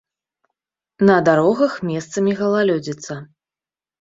На дарогах месцамі галалёдзіца.